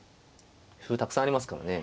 歩たくさんありますからね。